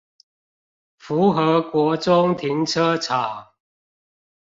福和國中停車場